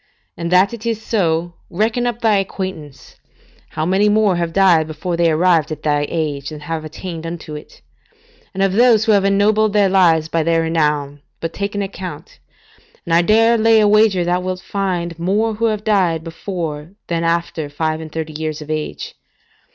And that it is so, reckon up thy acquaintance, how many more have died before they arrived at thy age than have attained unto it; and of those who have ennobled their lives by their renown, take but an account, and I dare lay a wager thou wilt find more who have died before than after five and thirty years of age.